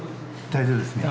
大丈夫ですね。